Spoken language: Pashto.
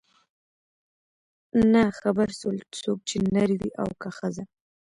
نه خبر سول څوک چي نر وې او که ښځه